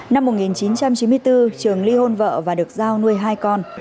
năm một nghìn chín trăm chín mươi bốn trường ly hôn vợ và được giao nuôi hai con